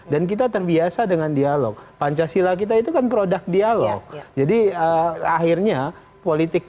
dan kita terbiasa dengan dialog pancasila kita itu kan produk dialog jadi akhirnya politik kita